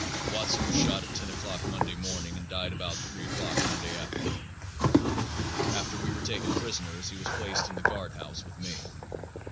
Watson was shot at ten o'clock Monday morning and died about three o'clock Monday afternoon.... After we were taken prisoners he was placed in the guardhouse with me.